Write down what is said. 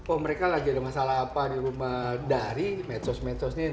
oh mereka lagi ada masalah apa di rumah dari medsos medsosnya